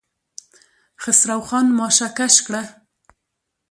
خسرو خان ماشه کش کړه.